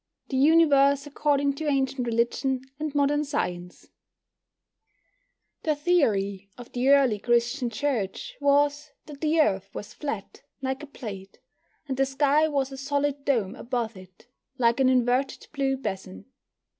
THE UNIVERSE ACCORDING TO ANCIENT RELIGION AND MODERN SCIENCE The theory of the early Christian Church was that the Earth was flat, like a plate, and the sky was a solid dome above it, like an inverted blue basin.